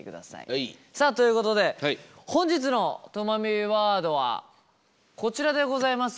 さあということで本日のとまビワードはこちらでございます。